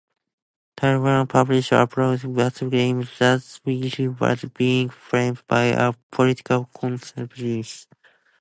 Tiwari publicly apologized, but claimed that he was being "framed" by "a political conspiracy".